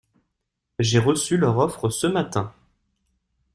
J'ai reçu leur offre ce matin.